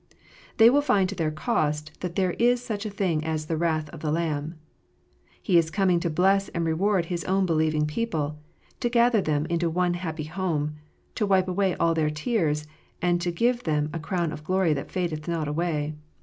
They will find to their cost that there is such a thing as " the wrath of the Lamb." He is coming to bless and reward His own believing people, to gather them into one happy home, to wipe away all their tears, and to give them a crown of glory that fadeth not away.